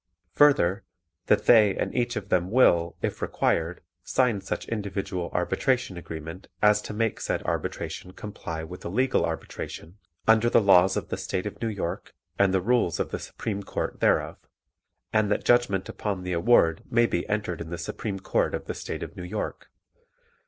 Further, that they and each of them will, if required, sign such individual arbitration agreement as to make said arbitration comply with a legal arbitration under the laws of the State of New York and the rules of the Supreme Court thereof, and that judgment upon the award may be entered in the Supreme Court of the State of New York.